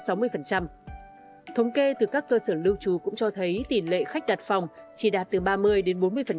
thống kê từ các cơ sở lưu trú cũng cho thấy tỷ lệ khách đặt phòng chỉ đạt từ ba mươi đến bốn mươi